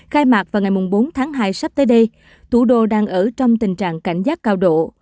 khai mạc vào ngày bốn tháng hai sắp tới đây thủ đô đang ở trong tình trạng cảnh giác cao độ